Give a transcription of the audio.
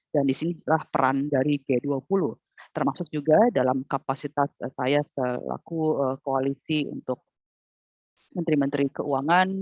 dan disinilah peran dari g dua puluh termasuk juga dalam kapasitas saya selaku koalisi untuk menteri menteri keuangan